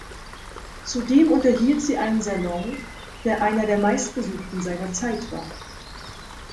Zudem unterhielt sie einen Salon, der einer der meistbesuchten seiner Zeit war.